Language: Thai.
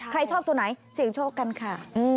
ใครชอบตัวไหนเสี่ยงโชคกันค่ะ